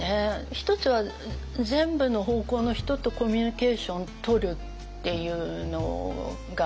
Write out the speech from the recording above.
１つは全部の方向の人とコミュニケーションとるっていうのがありますよね。